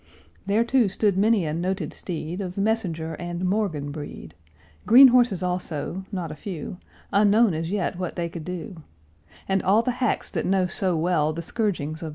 There too stood many a noted steed Of Messenger and Morgan breed; Green horses also, not a few; Unknown as yet what they could do; And all the hacks that know so well The scourgings of the Sunday swell.